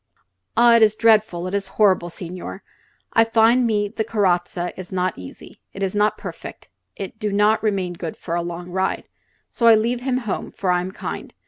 "Ah, it is dreadful; it is horrible, signore. I find me the carrozza is not easy; it is not perfect; it do not remain good for a long ride. So I leave him home, for I am kind.